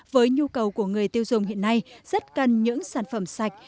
với nhu cầu của người tiêu dùng hiện nay rất cần những sản phẩm sạch